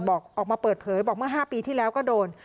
ออกมาเปิดเผยบอกเมื่อ๕ปีที่แล้วก็โดน